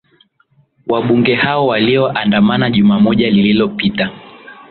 wabunge hao walioandamana juma moja lililopita